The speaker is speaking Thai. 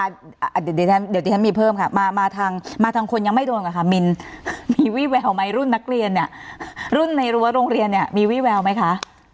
เดี๋ยวดิฉันมีเพิ่มค่ะมาทางมาทางคนยังไม่โดนก่อนค่ะมินมีวี่แววไหมรุ่นนักเรียนเนี่ยรุ่นในรั้วโรงเรียนเนี่ยมีวี่แววไหมคะ